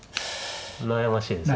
悩ましいですよね。